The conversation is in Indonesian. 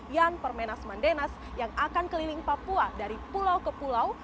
yan permenas mandenas yang akan keliling papua dari pulau ke pulau